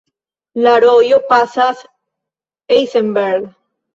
La rojo pasas Eisenberg.